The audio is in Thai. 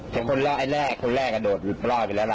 แต่คนล่ะไอ้แรกคนแรกอะโดดรอดไปแล้วล่ะอืม